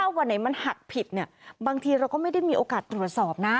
วันไหนมันหักผิดบางทีเราก็ไม่ได้มีโอกาสตรวจสอบนะ